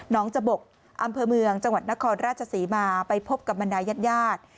จบกอำเภอเมืองจังหวัดนครราชศรีมาไปพบกับบรรดายญาติญาติ